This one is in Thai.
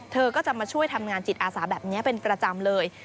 เธอก็จะมาช่วยทำงานจิตอาสาแบบนี้เป็นประจำเลย